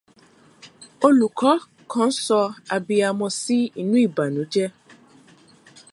Olùkọ́ kan sọ abiyamọ sí inú ìbànújẹ́.